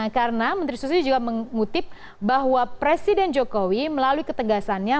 karena menteri susi juga mengutip bahwa presiden jokowi melalui ketegasannya